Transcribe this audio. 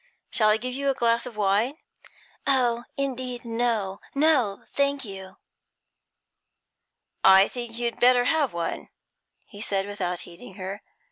Shall I give you a glass of wine?' 'Oh, indeed, no! No, thank you!' 'I think you'd better have one,' he said, without heeding her.